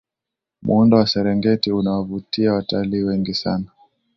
muundo wa serengeti unawavutia watalii wengi sana